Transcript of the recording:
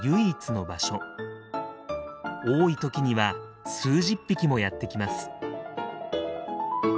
多い時には数十匹もやって来ます。